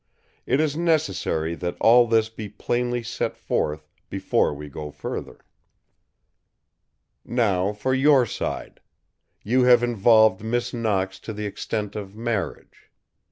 It is necessary that all this be plainly set forth before we go further. "Now, for your side: you have involved Miss Knox to the extent of marriage.